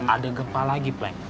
ada gempa lagi pleng